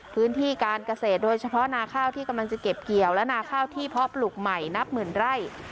พื้นที่การเกษตรโดยเฉพาะนาข้าวที่กำลังจะเก็บเกี่ยวและนาข้าวที่เพาะปลูกใหม่นับหมื่นไร่